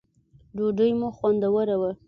ډوډی مو خوندوره وه